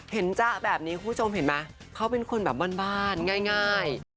จ๊ะแบบนี้คุณผู้ชมเห็นไหมเขาเป็นคนแบบบ้านง่าย